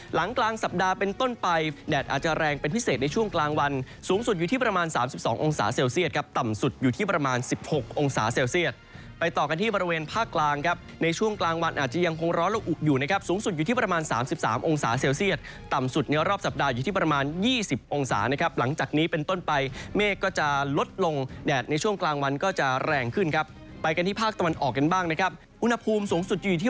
หลังกลางสัปดาห์เป็นต้นไปแดดอาจจะแรงเป็นพิเศษในช่วงกลางวันสูงสุดอยู่ที่ประมาณ๓๒องศาเซลเซียตครับต่ำสุดอยู่ที่ประมาณ๑๖องศาเซลเซียตไปต่อกันที่บริเวณภาคกลางครับในช่วงกลางวันอาจจะยังคงร้อนและอุ่นอยู่นะครับสูงสุดอยู่ที่ประมาณ๓๓องศาเซลเซียตต่ำสุดในรอบสัปดาห์อยู่ที่